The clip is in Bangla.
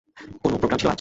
কোনো প্রোগ্রাম ছিলো আজ?